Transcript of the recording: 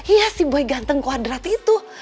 iya si boy ganteng kwadrat itu